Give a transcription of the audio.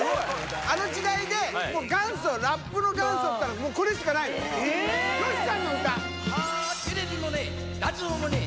あの時代でもう元祖ラップの元祖っていったらこれしかないの吉さんの歌テレビも無ェ